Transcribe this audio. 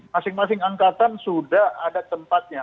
masing masing angkatan sudah ada tempatnya